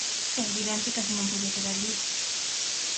É evidente que así non podía quedar alí.